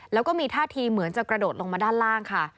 แล้วก็มีท่าทีเหมือนจะกระโดดลงมาด้านล่างค่ะ